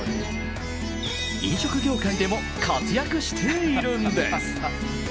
飲食業界でも活躍しているんです。